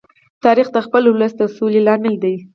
تاریخ د خپل ولس د سولې لامل دی.